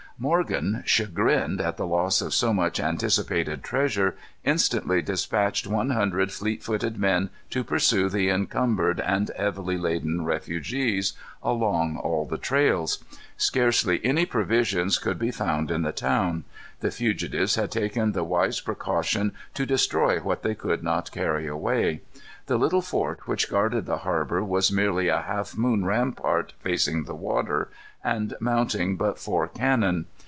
Morgan, chagrined at the loss of so much anticipated treasure, instantly dispatched one hundred fleet footed men to pursue the encumbered and heavily laden refugees, along all the trails. Scarcely any provisions could be found in the town. The fugitives had taken the wise precaution to destroy what they could not carry away. The little fort which guarded the harbor was merely a half moon rampart facing the water, and mounting but four cannon.